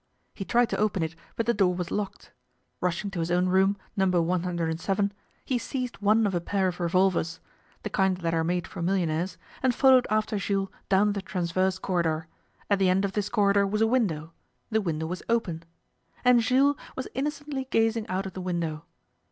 He tried to open it, but the door was locked. Rushing to his own room, No. 107, he seized one of a pair of revolvers (the kind that are made for millionaires) and followed after Jules down the transverse corridor. At the end of this corridor was a window; the window was open; and Jules was innocently gazing out of the window.